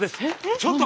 ちょっと！